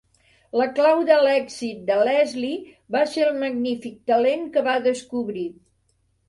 La clau de l'èxit de Leslie va ser el magnífic talent que va descobrir.